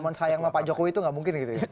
cuma sayang pak jokowi itu tidak mungkin gitu ya